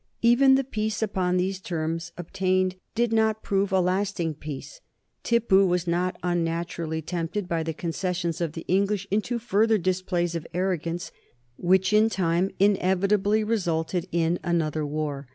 Even the peace upon these terms obtained did not prove a lasting peace. Tippu was not unnaturally tempted by the concessions of the English into further displays of arrogance which in time inevitably resulted in another war.